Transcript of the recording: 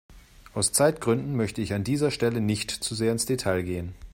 Aus Zeitgründen möchte ich an dieser Stelle nicht zu sehr ins Detail gehen.